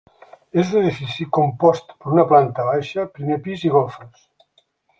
És un edifici compost per una planta baixa, primer pis i golfes.